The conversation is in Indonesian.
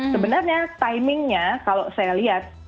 sebenarnya timingnya kalau saya lihat